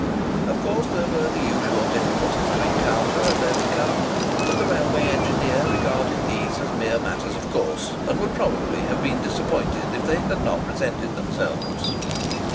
Of course there were the usual difficulties to encounter and overcome,—but the railway engineer regarded these as mere matters of course, and would probably have been disappointed if they had not presented themselves.